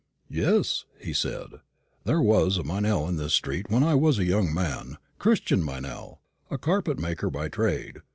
"Yes," he said; "there was a Meynell in this street when I was a young man Christian Meynell, a carpet maker by trade.